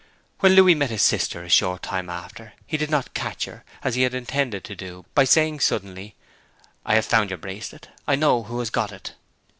When Louis met his sister, a short time after, he did not catch her, as he had intended to do, by saying suddenly, 'I have found your bracelet. I know who has got it.'